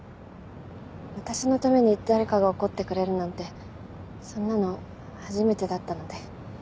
私のために誰かが怒ってくれるなんてそんなの初めてだったので。